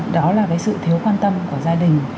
đó là cái sự thiếu quan tâm của gia đình